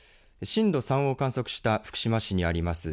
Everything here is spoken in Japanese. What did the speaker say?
震度３を観測した福島市にあります